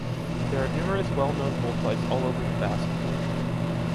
There are numerous well-known bullfights all over the Basque Country.